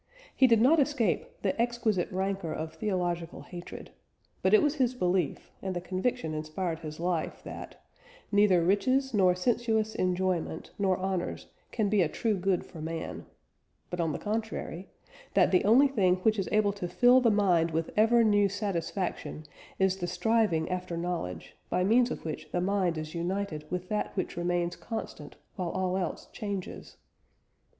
He did not escape "the exquisite rancour of theological hatred," but it was his belief, and the conviction inspired his life, that "Neither riches, nor sensuous enjoyment, nor honours, can be a true good for man"; but on the contrary, "that the only thing which is able to fill the mind with ever new satisfaction is the striving after knowledge, by means of which the mind is united with that which remains constant while all else changes."